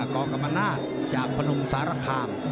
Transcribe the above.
กรรมนาศจากพนมสารคาม